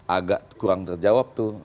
agak kurang terjawab tuh